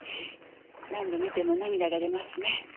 何度観ても涙が出ますね。